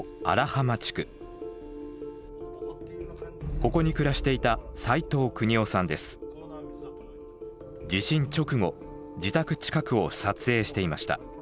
ここに暮らしていた地震直後自宅近くを撮影していました。